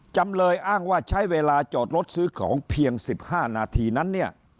จำเลยอ้างว่าใช้เวลาจอดรถซื้อของเพียง๑๕นาทีนั้นเนี่ย